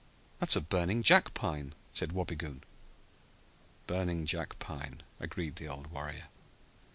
"That's a burning jackpine!" said Wabigoon. "Burning jackpine!" agreed the old warrior.